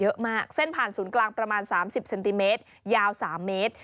เส้นผ่านศูนย์กลางประมาณ๓๐เซนติเมตรยาว๓เมตร